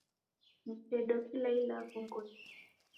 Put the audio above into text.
Msedo kila ilagho ngolonyi.